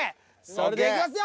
それではいきますよ